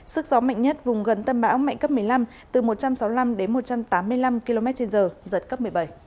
sức gió mạnh nhất vùng gần tâm bão mạnh cấp một mươi năm từ một trăm sáu mươi năm đến một trăm tám mươi năm km trên giờ giật cấp một mươi bảy